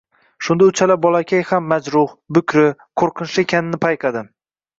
Shunda uchala bolakay ham majruh, bukri, qo`rqinchli ekanini payqadim